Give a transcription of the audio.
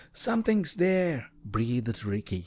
"Something's there," breathed Ricky.